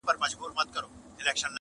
له نژدې ليري ملكونو وه راغلي؛